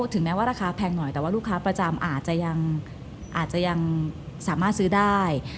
ถึงแม้ว่าราคาแพงหน่อยแต่ว่าลูกค้าประจำอาจจะยังอาจจะยังสามารถซื้อได้